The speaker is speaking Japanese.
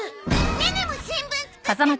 ネネも新聞作ったの！